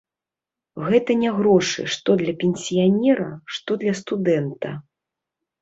Гэта не грошы, што для пенсіянера, што для студэнта.